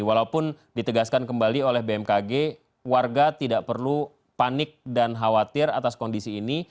walaupun ditegaskan kembali oleh bmkg warga tidak perlu panik dan khawatir atas kondisi ini